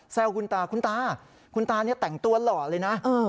แซวคุณตาคุณตาคุณตาเนี่ยแต่งตัวหล่อเลยนะ